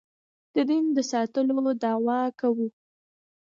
د دین د ساتلو دعوه کوو.